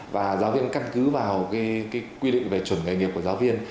và giáo viên căn cứ vào quy định về chuẩn nghề nghiệp của giáo viên